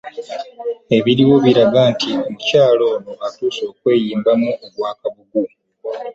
Ebiriwo biraga nti omukyala ono atuuse okweyimbamu ogwa Kabugu.